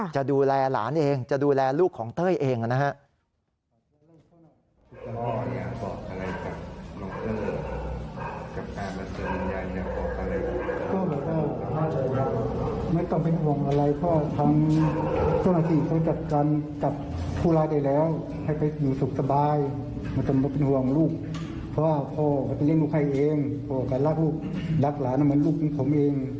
จะดูแลหลานเองจะดูแลลูกของเต้ยเองนะครับ